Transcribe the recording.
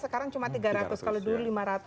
sekarang cuma tiga ratus kalau dulu lima ratus